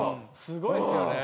すごいですよね。